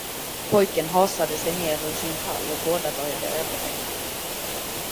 Pojken hasade sig ned ur sin tall och båda började överlägga.